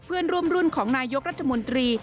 เพื่อนร่วมรุ่นของนายกรัฐมนตรี